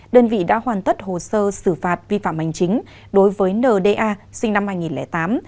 đơn vị đã hoàn tất hồ sơ xử phạt vi phạm hành chính đối với nda sinh năm hai nghìn tám